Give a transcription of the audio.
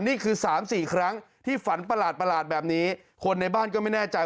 นี่คือ๓๔ครั้งที่ฝันประหลาดแบบนี้คนในบ้านก็ไม่แน่ใจ